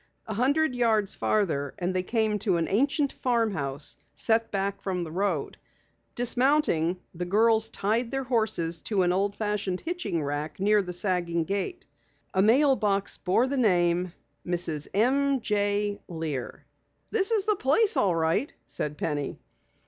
A hundred yards farther on they came to an ancient farmhouse set back from the road. Dismounting, the girls tied their horses to an old fashioned hitching rack near the sagging gate. A mailbox bore the name: Mrs. M. J. Lear. "This is the place all right," said Penny.